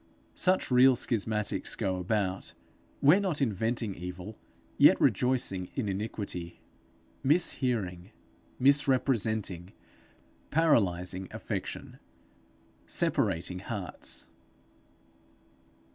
Such real schismatics go about, where not inventing evil, yet rejoicing in iniquity; mishearing; misrepresenting; paralyzing affection; separating hearts.